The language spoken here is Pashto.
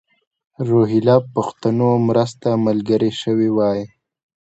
روهیله پښتنو مرسته ملګرې شوې وای.